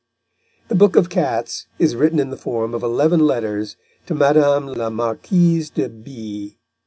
The book of cats is written in the form of eleven letters to Madame la Marquise de B